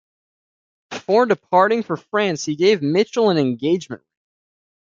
Before departing for France, he gave Mitchell an engagement ring.